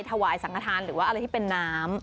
ถวายสังขทานหรือว่าอะไรที่เป็นน้ำ